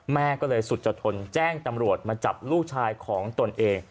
แม่ก็เลยสุจทนแจ้งตำรวจมาจับลูกชายของตนเอง